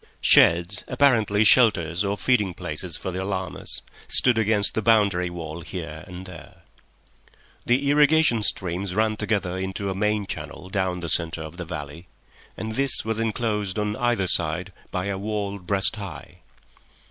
Sheds, apparently shelters or feeding places for the llamas, stood against the boundary wall here and there. The irrigation streams ran together into a main channel down the centre of the valley, and this was enclosed on either side by a wall breast high.